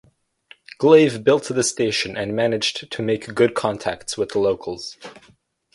Glave built the station and managed to make good contacts with the locals.